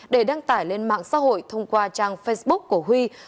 để đăng tải lên mạng xã hội thông qua trang facebook của huy